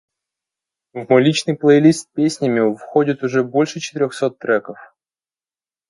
В мой личный плейлист с песнями входит уже больше четырёхсот треков.